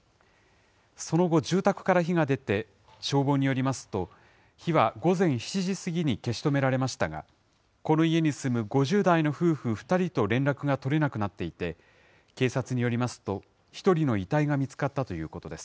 その後住宅から火が出て、消防によりますと、火は午前７時過ぎに消し止められましたが、この家に住む５０代の夫婦２人と連絡が取れなくなっていて、警察によりますと、１人の遺体が見つかったということです。